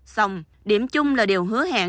xong điểm chung là điều hứa hẹn